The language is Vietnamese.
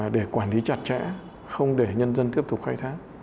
để quản lý chặt chẽ không để nhân dân tiếp tục khai thác